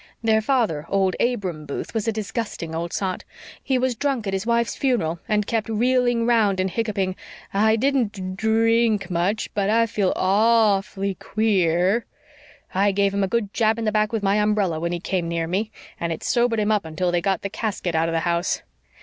Their father, old Abram Booth, was a disgusting old sot. He was drunk at his wife's funeral, and kept reeling round and hiccuping 'I didn't dri i i nk much but I feel a a awfully que e e r.' I gave him a good jab in the back with my umbrella when he came near me, and it sobered him up until they got the casket out of the house.